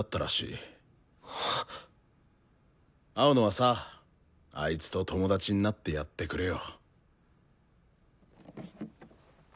青野はさあいつと友達になってやってくれよ。